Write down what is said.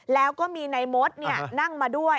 แล้วก็มีนายมดนั่งมาด้วย